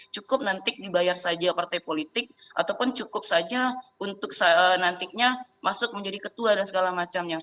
cukup nanti dibayar saja partai politik ataupun cukup saja untuk nantinya masuk menjadi ketua dan segala macamnya